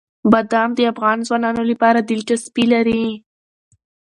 بادام د افغان ځوانانو لپاره دلچسپي لري.